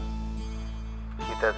ini teh biar dia selamat